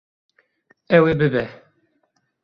Ew ê bibe.